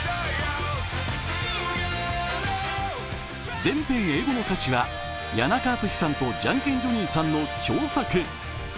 全編英語の歌詞は谷中敦さんとジャン・ケン・ジョニーさんの共作。